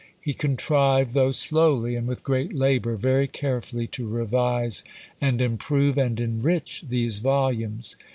He contrived, though slowly, and with great labour, very carefully to revise, and improve, and enrich these volumes.